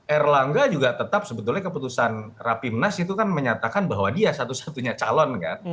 erlangga juga tetap sebetulnya keputusan rapimnas itu kan menyatakan bahwa dia satu satunya calon kan